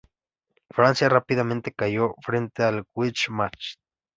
Francia rápidamente cayó frente a la Wehrmacht.